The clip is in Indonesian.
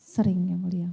sering yang mulia